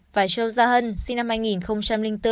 và châu gia hân sinh năm hai nghìn bốn